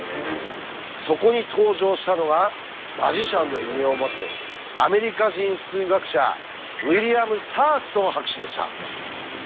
そこに登場したのが「マジシャン」の異名を持つアメリカ人数学者ウィリアム・サーストン博士でした。